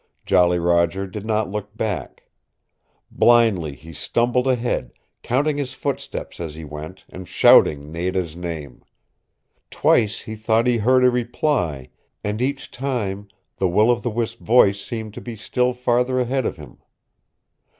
Jolly Roger did not look back. Blindly he stumbled ahead, counting his footsteps as he went, and shouting Nada's name. Twice he thought he heard a reply, and each time the will o' the wisp voice seemed to be still farther ahead of him.